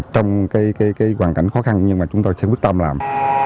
trong cái hoàn cảnh khó khăn nhưng mà chúng tôi sẽ quyết tâm làm